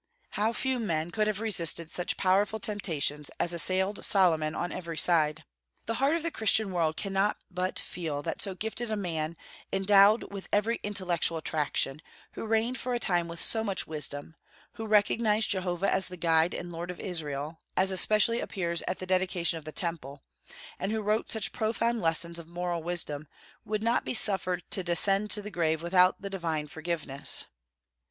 How few men could have resisted such powerful temptations as assailed Solomon on every side! The heart of the Christian world cannot but feel that so gifted a man, endowed with every intellectual attraction, who reigned for a time with so much wisdom, who recognized Jehovah as the guide and Lord of Israel, as especially appears at the dedication of the Temple, and who wrote such profound lessons of moral wisdom, would not be suffered to descend to the grave without the divine forgiveness.